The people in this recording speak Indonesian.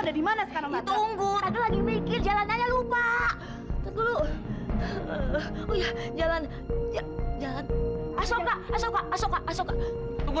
ada di mana sekarang nanti tunggu lagi mikir jalan aja lupa dulu